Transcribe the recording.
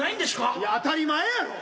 いや当たり前やろ！